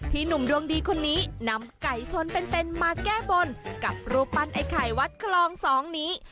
หนุ่มดวงดีคนนี้นำไก่ชนเป็นมาแก้บนกับรูปปั้นไอ้ไข่วัดคลองสองนี้